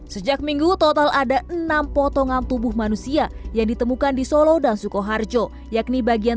sejak minggu total ada enam potongan tubuh manusia yang ditemukan di solo dan sukoharjo yakni bagian